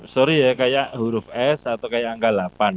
sorry ya kayak huruf s atau kayak angka delapan